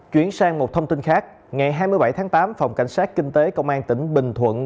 chuyển sang một thông tin khác ngày hai mươi bảy tháng tám phòng cảnh sát kinh tế công an tỉnh bình thuận